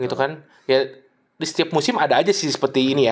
gitu kan ya di setiap musim ada aja sih seperti ini ya